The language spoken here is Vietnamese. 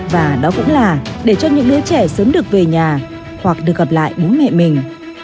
và đó cũng là để cho những đứa trẻ sớm được về nhà hoặc được gặp lại bố mẹ mình